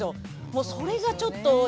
もうそれがちょっと嫌で。